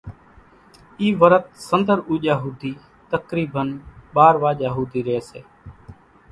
اِي ورت سنۮر اُوڄا ۿُودي تقريبن ٻار واڄا ھوڌي رئي سي